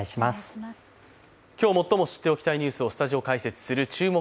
今日、最も知っておきたいニュースをスタジオ解説する「注目！